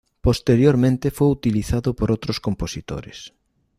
Posteriormente fue utilizado por otros compositores.